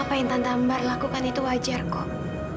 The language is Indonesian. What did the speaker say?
apa yang tante amar lakukan itu wajar kok